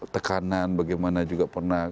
tekanan bagaimana juga pernah